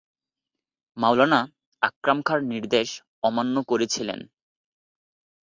মওলানা আকরাম খাঁর নির্দেশ অমান্য করেছিলেন।